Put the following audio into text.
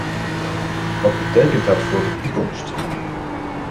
Wat betekent het voor de toekomst?